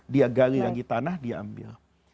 dia gali lagi tanah dia ambil